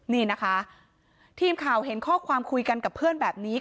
นี่นะคะทีมข่าวเห็นข้อความคุยกันกับเพื่อนแบบนี้